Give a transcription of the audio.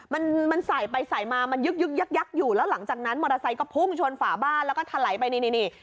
มันมันใส่ไปใส่มามันยึกยึกยักยักอยู่แล้วหลังจากนั้นมอเตอร์ไซค์ก็พุ่งชนฝาบ้านแล้วก็ถลายไปนี่นี่